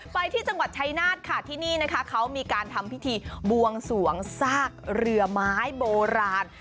ไปที่จังหวัดชายนาฏค่ะที่นี่นะคะเขามีการทำพิธีบวงสวงซากเรือไม้โบราณ